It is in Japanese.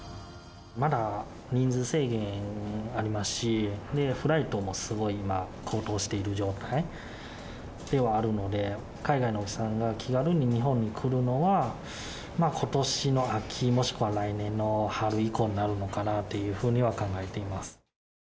まだ、人数制限ありますし、フライトもすごい今、高騰している状態ではあるので、海外のお客さんが気軽に日本に来るのは、ことしの秋、もしくは来年の春以降になるのかなというふうには考えています。